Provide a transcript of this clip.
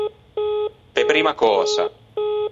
Pe primma cösa.